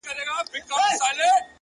صبر د وخت له فشار سره همغږی دی،